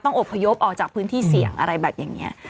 อบพยพออกจากพื้นที่เสี่ยงอะไรแบบอย่างนี้